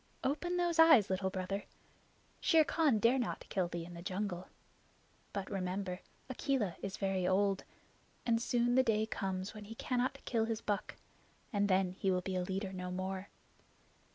Open those eyes, Little Brother. Shere Khan dare not kill thee in the jungle. But remember, Akela is very old, and soon the day comes when he cannot kill his buck, and then he will be leader no more.